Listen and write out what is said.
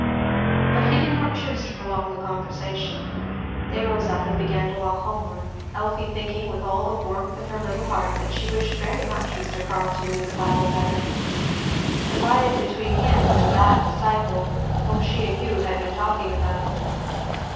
But he did not choose to prolong the conversation. They rose up and began to walk homeward, Elfie thinking with all the warmth of her little heart that she wished very much Mr. Carleton knew the Bible better; divided between him and "that disciple" whom she and Hugh had been talking about.